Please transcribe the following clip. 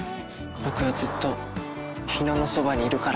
僕はずっと日野のそばにいるから。